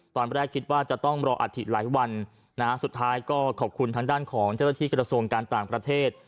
ตอนแรกคิดว่าต้องอาทิตย์ไว้หลายวันนะสุดท้ายก็ขอบคุณทางด้านของทรัพยากุฐาสรวงการต่างประเทศ